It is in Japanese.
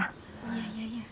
いやいやいや。